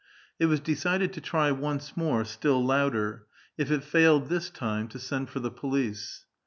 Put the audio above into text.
It was decided to try once more, still louder ; if it failed this time, to send for the police.